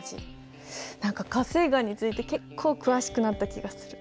何か火成岩について結構詳しくなった気がする。